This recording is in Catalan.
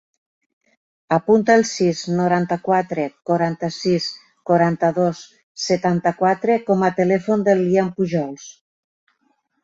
Apunta el sis, noranta-quatre, quaranta-sis, quaranta-dos, setanta-quatre com a telèfon del Lian Pujols.